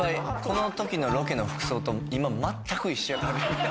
このときのロケの服装と今全く一緒やははははっ